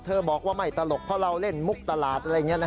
บอกว่าไม่ตลกเพราะเราเล่นมุกตลาดอะไรอย่างนี้